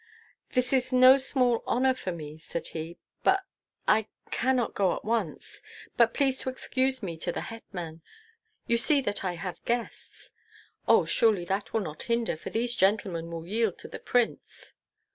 "This is no small honor for me," said he, "but I cannot go at once. Be pleased to excuse me to the hetman you see that I have guests." "Oh, surely that will not hinder, for these gentlemen will yield to the prince."